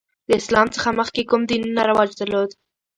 د اسلام څخه مخکې کوم دینونه رواج درلود؟